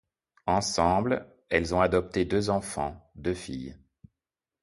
Ensemble, elles ont adopté deux enfants, deux filles.